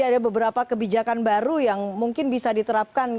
ada beberapa kebijakan baru yang mungkin bisa diterapkan